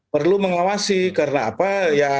perlu mengawasi karena apa